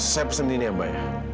sepsin ini mbak